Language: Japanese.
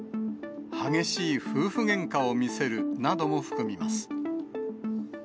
激しい夫婦げんかを見せるなども含みます。